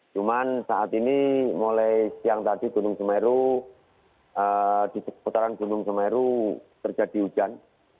cuman saat ini mulai siang tadi gunung semeru di seputaran gunung semeru terjadi hujan